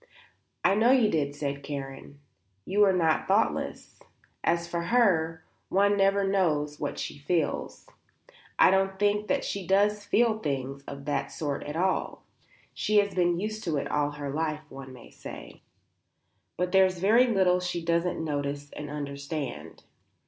"I know you did," said Karen. "You are not thoughtless. As for her, one never knows what she feels. I don't think that she does feel things of that sort at all; she has been used to it all her life, one may say; but there's very little she doesn't notice and understand.